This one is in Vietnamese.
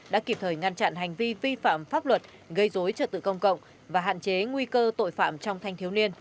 đã kịp thời ngăn chặn hành vi vi phạm pháp luật gây dối trật tự công cộng và hạn chế nguy cơ tội phạm trong thanh thiếu niên